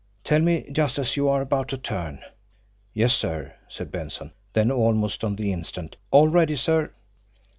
Tell me just as you are about to turn." "Yes, sir," said Benson; then, almost on the instant, "All ready, sir!"